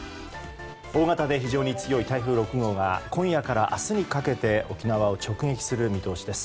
大型で非常に強い台風６号が今夜から明日にかけて沖縄を直撃する見通しです。